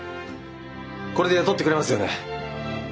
これで雇ってくれますよね？